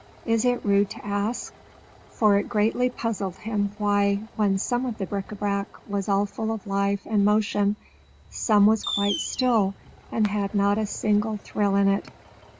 Is it rude to ask?" For it greatly puzzled him why, when some of the bric à brac was all full of life and motion, some was quite still and had not a single thrill in it.